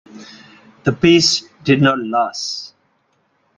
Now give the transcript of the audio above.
The peace did not last.